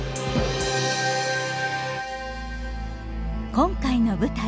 今回の舞台